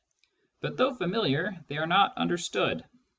But though familiar, they are not understood.